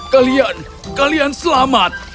kalian kalian selamat